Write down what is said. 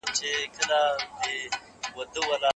خاوره یا لوګی د انعکاسي اوښکو لامل کېږي.